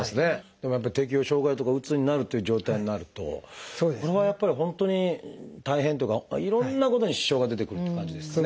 でもやっぱり適応障害とかうつになるという状態になるとこの場合はやっぱり本当に大変というかいろんなことに支障が出てくるっていう感じですかね。